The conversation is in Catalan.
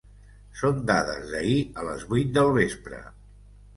Són dades d’ahir a les vuit del vespre.